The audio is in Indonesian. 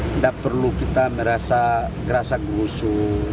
tidak perlu kita merasa gerasak berusuh